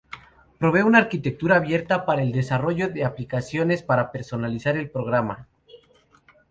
Provee una arquitectura abierta para el desarrollo de aplicaciones o para personalizar el programa.